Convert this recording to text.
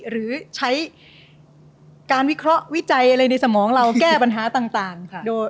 หรือใช้การวิเคราะห์วิจัยอะไรในสมองเราแก้ปัญหาต่าง